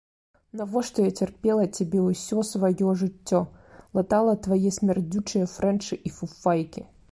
Навошта я цярпела цябе ўсё сваё жыццё, латала твае смярдзючыя фрэнчы і фуфайкі.